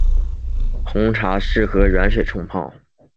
红茶适合以软水冲泡。